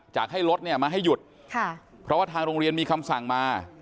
ให้รถเนี่ยมาให้หยุดค่ะเพราะว่าทางโรงเรียนมีคำสั่งมา